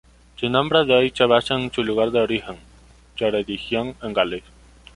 Su nombre de hoy se basa en su lugar de origen: Ceredigion en Gales.